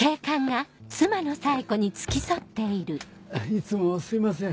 いつもすいません